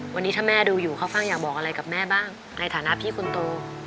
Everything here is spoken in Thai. วันนี้ถ้าแม่ดูอยู่ข้าวฟ่างอยากบอกอะไรกับแม่บ้างในฐานะพี่คนโต